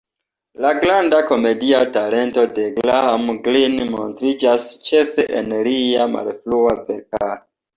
La granda komedia talento de Graham Greene montriĝas ĉefe en lia malfrua verkaro.